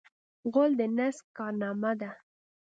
غول د نس کارنامه ده.